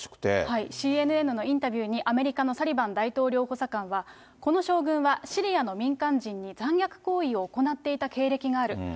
ＣＮＮのインタビューに、アメリカのサリバン大統領補佐官は、この将軍はシリアの民間人に残虐行為を行っていた経歴がある。